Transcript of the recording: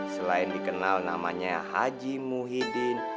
selain dikenal namanya haji muhyiddin